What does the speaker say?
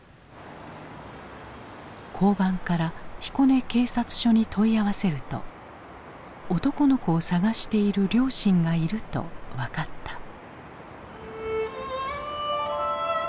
交番から彦根警察署に問い合わせると男の子を捜している両親がいると分かった。